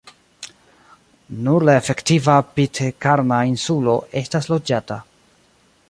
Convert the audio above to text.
Nur la efektiva Pitkarna insulo estas loĝata.